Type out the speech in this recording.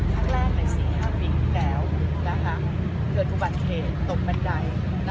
ทั้งแรก๔๕ปีที่แล้วเผื่อถูกบันเทตตกบันได